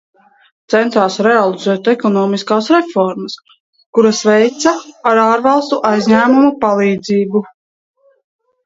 Centās realizēt ekonomiskas reformas, kuras veica ar ārvalstu aizņēmumu palīdzību.